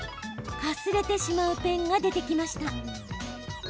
かすれてしまうペンが出てきました。